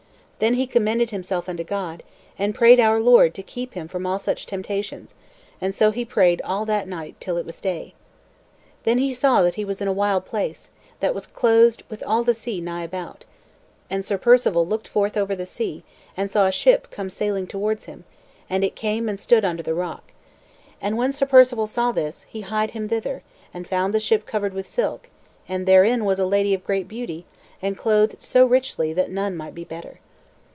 Then he commended himself unto God, and prayed our Lord to keep him from all such temptations; and so he prayed all that night till it was day. Then he saw that he was in a wild place, that was closed with the sea nigh all about. And Sir Perceval looked forth over the sea, and saw a ship come sailing towards him; and it came and stood still under the rock. And when Sir Perceval saw this, he hied him thither, and found the ship covered with silk; and therein was a lady of great beauty, and clothed so richly that none might be better.